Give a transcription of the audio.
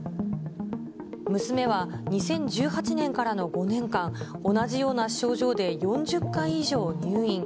娘は２０１８年からの５年間、同じような症状で４０回以上入院。